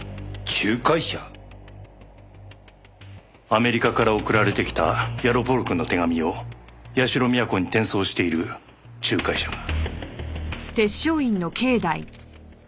アメリカから送られてきたヤロポロクの手紙を社美彌子に転送している仲介者が。